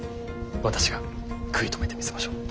私が食い止めてみせましょう。